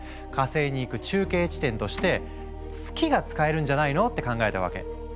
火星に行く中継地点として月が使えるんじゃないの？って考えたわけ。